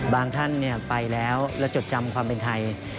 ท่านไปแล้วแล้วจดจำความเป็นไทย